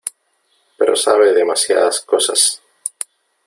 pero sabe demasiadas cosas .